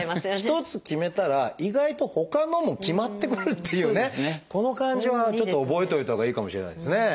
一つ決めたら意外とほかのも決まってくるっていうこの感じはちょっと覚えておいたほうがいいかもしれないですね。